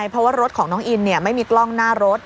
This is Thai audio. เพราะว่ารถของน้องอินไม่มีกล้องหน้ารถ